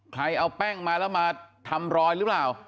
ใครเอาแป้งมาแล้วมาทำรอยหรือเปล่า